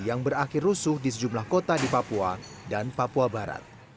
yang berakhir rusuh di sejumlah kota di papua dan papua barat